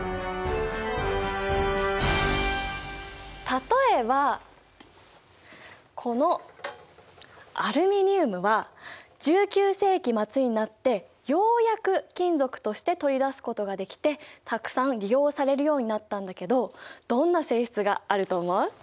例えばこのアルミニウムは１９世紀末になってようやく金属として取り出すことができてたくさん利用されるようになったんだけどどんな性質があると思う？